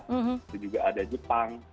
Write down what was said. lalu juga ada jepang